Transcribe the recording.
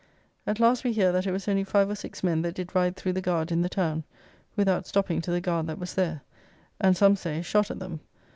At last we hear that it was only five or six men that did ride through the guard in the town, without stopping to the guard that was there; and, some say, shot at them.